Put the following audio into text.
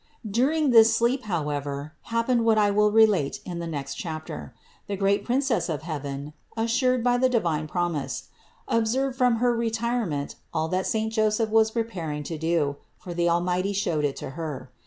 During this sleep, however, happened what I will relate in the next chapter. The great Princess of heaven, (assured by the divine promise), observed from her re tirement all that saint Joseph was preparing to do ; for the Almighty showed it to Her.